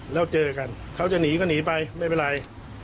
แล้วเจอกันเขาจะหนีก็หนีไปไม่เป็นไร